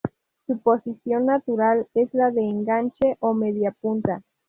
Su posición natural es la de enganche o mediapunta.